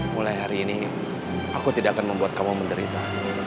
mulai hari ini aku tidak akan membuat kamu menderita